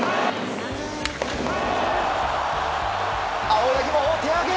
青柳もお手上げ！